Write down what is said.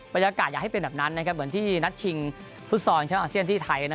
เป็นอากาศอยากให้เป็นแบบนั้นนะครับเหมือนที่นัดชิงฟุศรอย่างเช้าอาเซียนที่ไทย